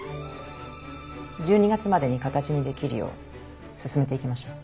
１２月までに形にできるよう進めて行きましょう。